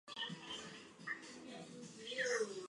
这些地区现在已改为苏拉威西南部的若干特区和城市。